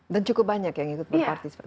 dan cukup banyak yang ikut berpartisipasi